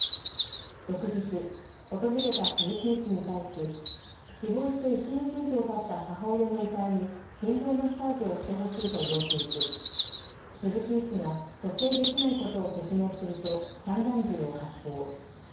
翌日、訪れた鈴木医師に対し死亡して１日以上たった母親の遺体に心臓マッサージをしてほしいと要求し鈴木医師が蘇生できないことを説明すると、散弾銃を発砲。